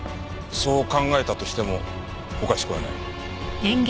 そう考えたとしてもおかしくはない。